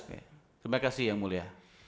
terima kasih yang mulia